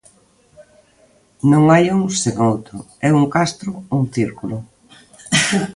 Non hai un sen outro: é un castro, un círculo.